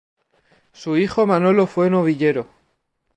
Su hijo Manolo fue novillero.